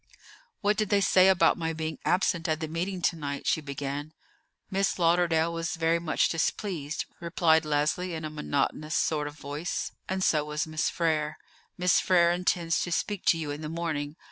"What did they say about my being absent at the meeting to night?" she began. "Miss Lauderdale was very much displeased," replied Leslie in a monotonous sort of voice, "and so was Miss Frere. Miss Frere intends to speak to you in the morning.